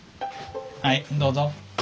はいどうぞ。